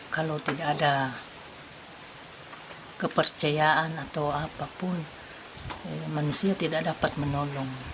kalau tidak ada kepercayaan atau apapun manusia tidak dapat menolong